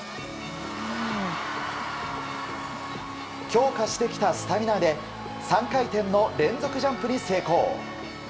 強化してきたスタミナで３回転の連続ジャンプに成功！